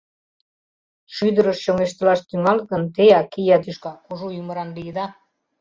— Шӱдырыш чоҥештылаш тӱҥалыт гын, теак, ия тӱшка, кужу ӱмыран лийыда!